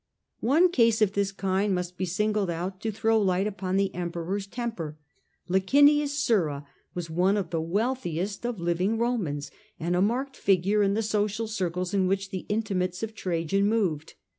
One case of this kind may be singled out to throw light upon the Emperor^s temper. Licinius Sura was one of the wealthiest of living Romans, and a marked figure in the social circles in which the intimates of Trajan moved.